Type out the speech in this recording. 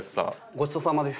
ごちそうさまです。